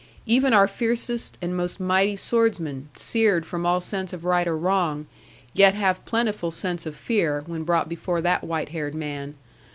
Even our fiercest and most mighty swordsmen, seared from all sense of right or wrong, yet have plentiful sense of fear, when brought before that white haired man.